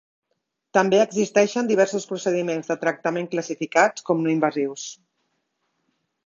També existeixen diversos procediments de tractament classificats com no invasius.